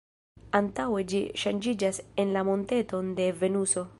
Antaŭe ĝi ŝanĝiĝas en la monteton de Venuso.